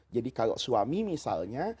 jadi kalau suami misalnya